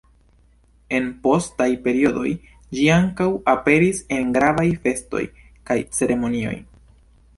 En postaj periodoj ĝi ankaŭ aperis en gravaj festoj kaj ceremonioj.